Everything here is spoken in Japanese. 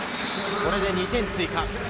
これで２点追加。